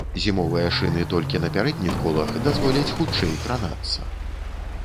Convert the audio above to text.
Зімовыя шыны толькі на пярэдніх колах дазволяць хутчэй кранацца.